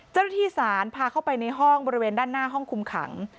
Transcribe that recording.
เจ้าหน้าที่ศาลพาเข้าไปในห้องบริเวณด้านหน้าห้องคุมขัง